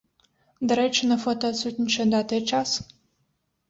Дарэчы, на фота адсутнічае дата і час.